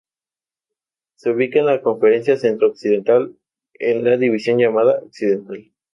Se ubica en la Conferencia Centro Occidental en la división llamada Occidental.